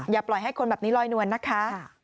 อย่าปล่อยให้คนแบบนี้ลอยนวลนะคะ